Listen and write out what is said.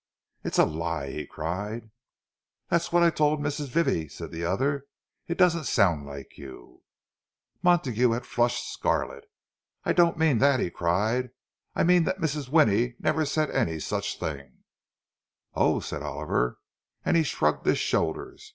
"It's a lie!" he cried. "That's what I told Mrs. Vivie," said the other; "it doesn't sound like you—" Montague had flushed scarlet. "I don't mean that!" he cried. "I mean that Mrs. Winnie never said any such thing." "Oh," said Oliver, and he shrugged his shoulders.